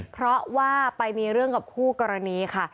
เพราะว่าไปมีเรื่องกับคู่กรณีค่ะ